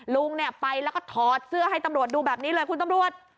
ลุงเนี่ยไปแล้วก็ถอดเสื้อให้ตำรวจดูแบบนี้เลยคุณตำรวจ